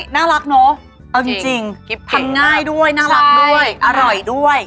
น่ารักเนอะเอาจริงทำง่ายด้วยน่ารักด้วยอร่อยด้วย